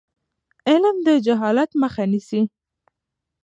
علم د جهالت مخه نیسي.